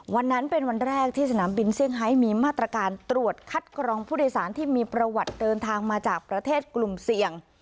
วันนั้นเป็นวันแรกที่สนามบินเซี่ยงไฮมีมาตรการตรวจคัดกรองผู้โดยสารที่มีประวัติเดินทางมาจากประเทศกลุ่มเสี่ยง